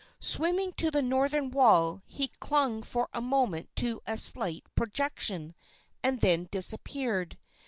Swimming to the northern wall, he clung for a moment to a slight projection, and then disappeared.